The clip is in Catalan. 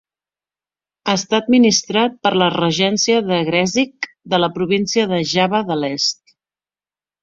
Està administrat per la regència de Gresik de la província de Java de l'est.